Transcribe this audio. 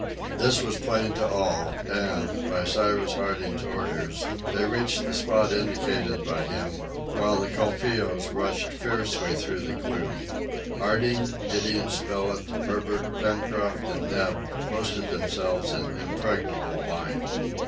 This was plain to all, and, by Cyrus Harding's orders, they reached the spot indicated by him, while the colpeos rushed fiercely through the gloom. Harding, Gideon Spilett, Herbert, Pencroft and Neb posted themselves in impregnable line.